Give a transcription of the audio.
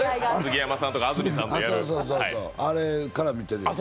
あれから見てるよ。